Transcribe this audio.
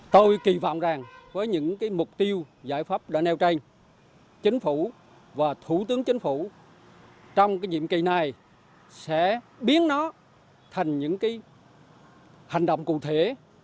tôi kỳ vọng rằng với những cái mục tiêu giải pháp đã neo tranh chính phủ và thủ tướng chính phủ trong cái nhiệm kỳ này sẽ biến nó thành những cái hành động cụ thể